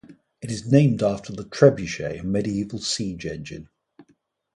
It is named after the trebuchet, a medieval siege engine.